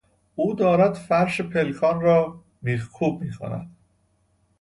او دارد فرش پلکان را میخکوب میکند.